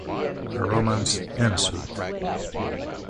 A romance ensued.